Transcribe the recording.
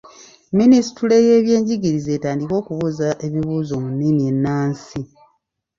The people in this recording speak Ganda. Minisitule y'ebyenjigiriza etandike okubuuza ebibuuzo mu nnimi ennansi.